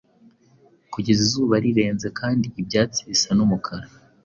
Kugeza izuba rirenze Kandi ibyatsi bisa n'umukara.